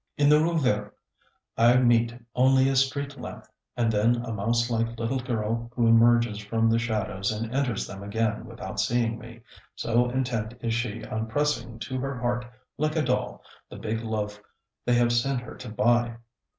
In the Rue Verte I meet only a street lamp, and then a mouse like little girl who emerges from the shadows and enters them again without seeing me, so intent is she on pressing to her heart, like a doll, the big loaf they have sent her to buy.